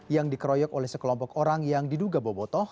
yang dikeroyok oleh sekelompok orang yang diduga bobotoh